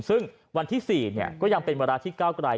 ซึ่งวันที่๔ก็ยังเป็นเวลาที่ก้าวกลาย